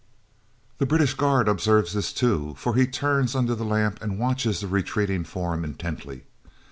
The British guard observes this too, for he turns under the lamp and watches the retreating form intently.